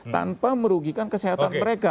tanpa merugikan kesehatan mereka